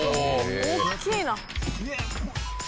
大きいな。